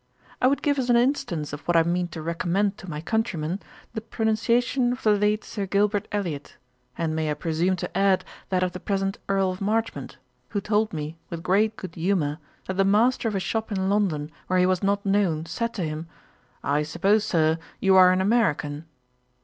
I would give as an instance of what I mean to recommend to my countrymen, the pronunciation of the late Sir Gilbert Elliot; and may I presume to add that of the present Earl of Marchmont, who told me, with great good humour, that the master of a shop in London, where he was not known, said to him, 'I suppose, Sir, you are an American.'